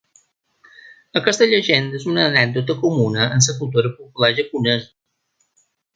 Aquesta llegenda és una anècdota comuna en la cultura popular japonesa.